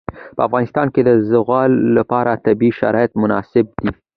په افغانستان کې د زغال لپاره طبیعي شرایط مناسب دي.